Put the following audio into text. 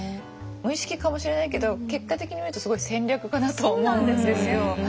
無意識かもしれないけど結果的に見るとすごい戦略家だと思うんですよ。